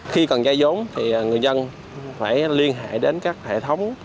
khi cần dây giống thì người dân phải liên hệ đến các hệ thống